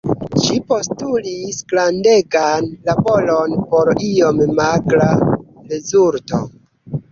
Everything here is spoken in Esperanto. Ĝi postulis grandegan laboron por iom magra rezulto.